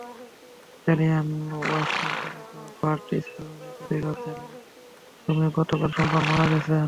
Italian western তারকা Bud Spencer ইতালির রাজধানী রোমে গতকাল সোমবার মারা গেছেন।